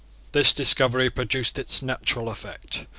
This discovery produced its natural effect.